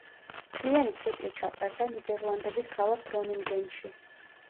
მთლიანი ციკლი ჩატარდა ნიდერლანდების ქალაქ გრონინგენში.